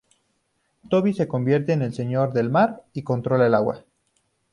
Toby se convierte en el Señor del Mar y controla el agua.